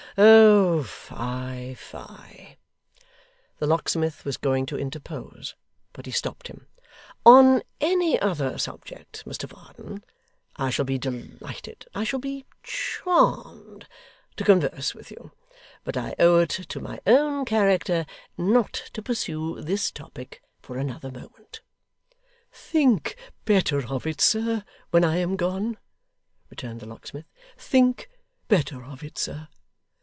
Oh fie, fie!' The locksmith was going to interpose, but he stopped him: 'On any other subject, Mr Varden, I shall be delighted I shall be charmed to converse with you, but I owe it to my own character not to pursue this topic for another moment.' 'Think better of it, sir, when I am gone,' returned the locksmith; 'think better of it, sir.